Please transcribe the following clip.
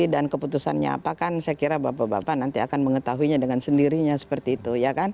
dan keputusannya apa kan saya kira bapak bapak nanti akan mengetahuinya dengan sendirinya seperti itu